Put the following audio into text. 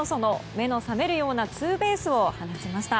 目の覚めるようなツーベースを放ちました。